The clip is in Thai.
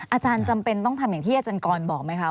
อาจารย์จำเป็นต้องทำอย่างที่อาจารย์กรบอกไหมคะ